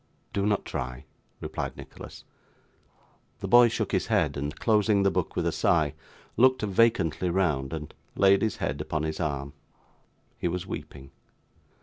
'Do not try,' replied Nicholas. The boy shook his head, and closing the book with a sigh, looked vacantly round, and laid his head upon his arm. He was weeping.